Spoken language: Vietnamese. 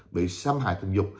vì xâm hại tình dục